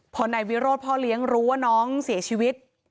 พอนายวิโรธพ่อเลี้ยงรู้ว่าน้องเสียชีวิต